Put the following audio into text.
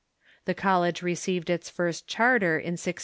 The college received its first charter in 1650.